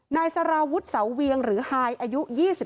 นายสารวุฒิเสาเวียงหรือฮายอายุ๒๓